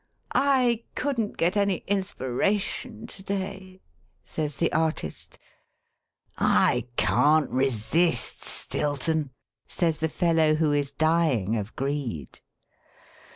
'I couldn't get any inspiration to day,' says the artist. 'I can't resist Stilton,' says the fellow who is dying of greed.